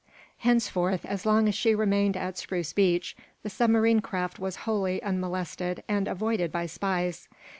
Henceforth, as long as she remained at Spruce Beach, the submarine craft was wholly unmolested and avoided by spies.